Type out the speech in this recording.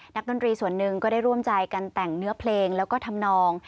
ดนตรีส่วนหนึ่งก็ได้ร่วมใจกันแต่งเนื้อเพลงแล้วก็ทำนอง